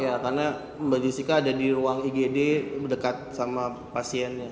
ya karena mbak jessica ada di ruang igd dekat sama pasiennya